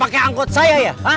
pake anggot saya ya